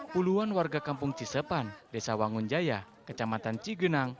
puluhan warga kampung cisepan desa wangunjaya kecamatan cigenang